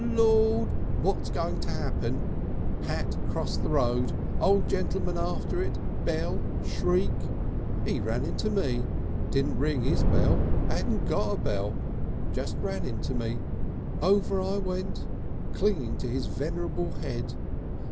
Lord! what's going to happen? Hat across the road, old gentleman after it, bell, shriek. He ran into me. Didn't ring his bell, hadn't got a bell just ran into me. Over I went clinging to his venerable head.